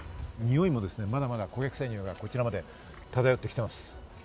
においもまだまだ焦げ臭いにおいがこちらまで漂ってきています。